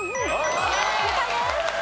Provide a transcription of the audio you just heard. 正解です！